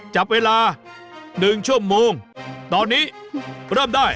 จับเวลา๑ชั่วโมงตอนนี้เริ่มได้